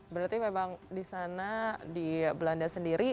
berarti memang di sana di belanda sendiri